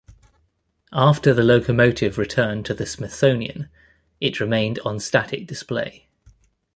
After the locomotive returned to the Smithsonian, it remained on static display.